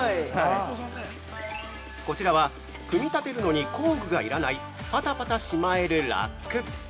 ◆こちらは、組み立てるのに工具が要らないパタパタしまえるラック！